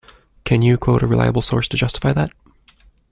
Can you quote a reliable source to justify that?